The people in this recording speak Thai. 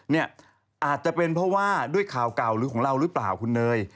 เนี่ยอาจจะเป็นเพราะว่าด้วยข่าวเก่าหรือของเราหรือเปล่าคุณเนย